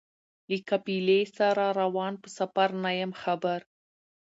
له قافلې سره روان په سفر نه یم خبر